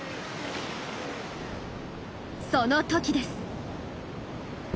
その時です。